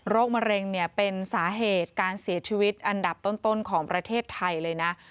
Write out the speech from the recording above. มะเร็งเนี่ยเป็นสาเหตุการเสียชีวิตอันดับต้นของประเทศไทยเลยนะ